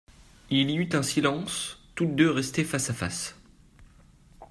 Il y eut un silence, toutes deux restaient face à face.